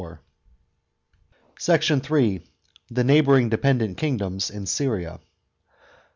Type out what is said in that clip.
SECT. III. — THE NEIGHBOURING DEPENDENT KINGDOMS AND SYRIA.